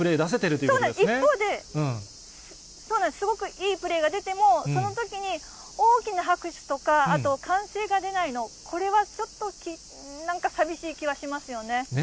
そうですね、一方、すごくいいプレーが出ても、そのときに大きな拍手とか、あと、歓声が出ないの、これはちょっと、なんかさみしい気はしますよね。